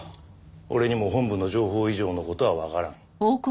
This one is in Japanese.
俺にも本部の情報以上の事はわからん。